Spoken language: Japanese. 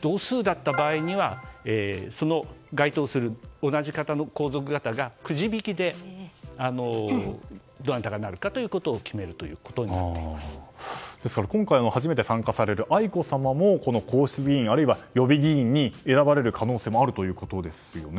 同数だった場合にはその該当する皇族方がくじ引きで、どなたがなるかということを今回、初めて参加される愛子さまもこの皇族議員あるいは予備議員に選ばれる可能性があるということですよね。